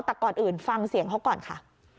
แต่ก่อนอื่นฟังเสียงเขาก่อนค่ะ